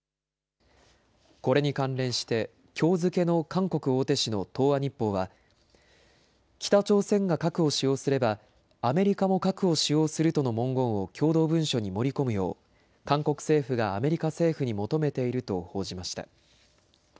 これに関連してきょう付けの韓国大手紙の東亜日報は北朝鮮が核を使用すればアメリカも核を使用するとの文言を共同文書に盛り込むよう韓国政府がアメリカ政府に求めていると報じました。